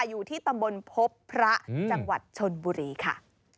อยู่ที่ตำบลพบพระจังหวัดชนบุรีค่ะ